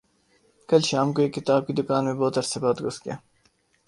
کل شام کو ایک کتاب کی دکان میں بہت عرصہ بعد گھس گیا